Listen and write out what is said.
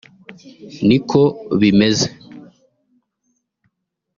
niko bimeze [